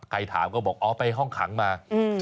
ใครถามก็บอกอ๋อไปห้องขังมา